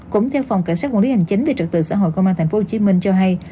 cũng theo phòng cảnh sát quản lý hành chính về trật tự xã hội công an tp hcm cho hay